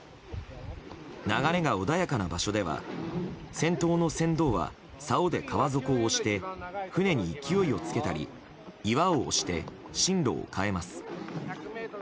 流れが穏やかな場所では先頭の船頭はさおで川底を押して船に勢いをつけたり岩を押して進路を変えます。